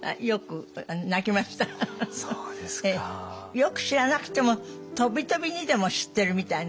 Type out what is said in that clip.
よく知らなくてもとびとびにでも知ってるみたいな。